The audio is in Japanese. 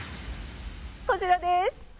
こちらです。